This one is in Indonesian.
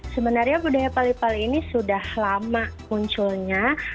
sebenarnya budaya pali pali ini sudah lama munculnya